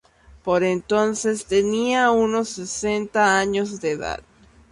Por entonces tenía unos sesenta años de edad.